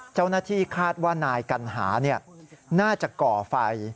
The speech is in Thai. เจ้าหน้าที่คาดว่านายกัณหาน่าจะก่อไฟ